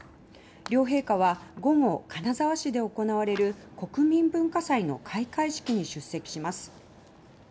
両陛下は午後金沢市で行われる国民文化祭の開会式に出席します。